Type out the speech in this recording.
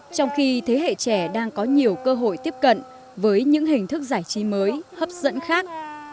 trong khi thế hệ trẻ đang có nhiều cơ hội tiếp cận với những hình thức giải trí mới hấp dẫn khác